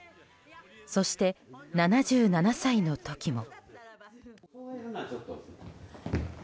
そして、７７歳の時も。